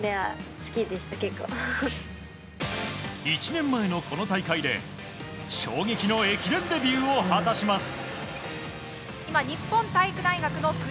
１年前のこの大会で衝撃の駅伝デビューを果たします。